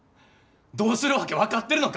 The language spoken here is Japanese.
どうするわけ分かってるのか！